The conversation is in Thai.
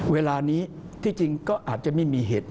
เวลานี้ที่จริงก็อาจจะไม่มีเหตุ